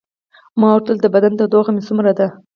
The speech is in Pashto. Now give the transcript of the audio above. ما ورته وویل: د بدن تودوخه مې څومره ده؟